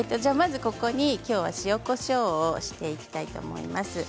きょうは、ここに塩、こしょうをしていきたいと思います。